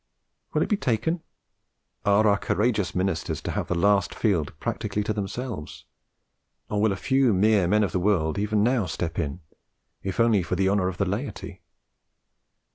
Will it be taken? Are our courageous ministers to have the last field practically to themselves, or will a few mere men of the world even now step in, if only for the honour of the laity?